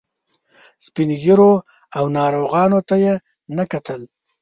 سپین ږیرو او ناروغانو ته یې نه کتل.